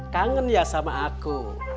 kangen ya sama aku